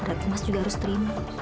berarti mas juga harus terima